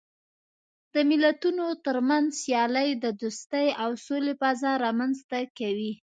د ملتونو ترمنځ سیالۍ د دوستۍ او سولې فضا رامنځته کوي.